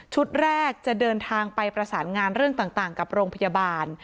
แรกจะเดินทางไปประสานงานเรื่องต่างกับโรงพยาบาล